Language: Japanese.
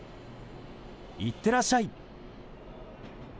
いってらっしゃい！